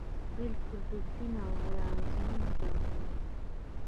بلکې رېښتيني او اغېزمن ګامونه اخلي.